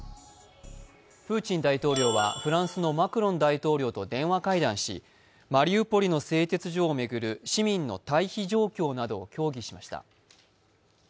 プーチン大統領はフランスのマクロン大統領と電話会談し、マリウポリの製鉄所を巡る市民の退避状況などを協議しました。